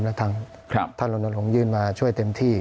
และทางท่านลนลงยื่นมาช่วยเต็มที่